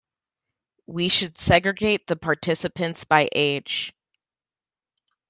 We should segregate the participants by age.